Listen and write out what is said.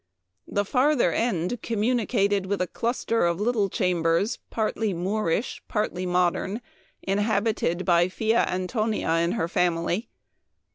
The farther end communicated with a cluster of little chambers, partly Moorish, partlv modern, inhabited by Fia Antonia* and her family.